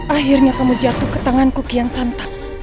akhirnya kamu jatuh ke tanganku kian santap